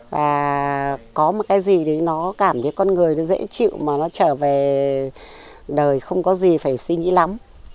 và có một cái gì thì nó cảm thấy con người nó dễ chịu mà nó trở về đời không có gì phải suy nghĩ lắm